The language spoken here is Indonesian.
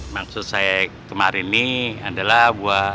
maksud saya kemarin nih adalah buat